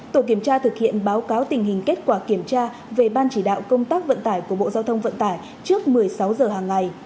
tổ kiểm tra thực hiện báo cáo tình hình kết quả kiểm tra về ban chỉ đạo công tác vận tải của bộ giao thông vận tải trước một mươi sáu giờ hàng ngày